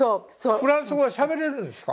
フランス語はしゃべれるんですか？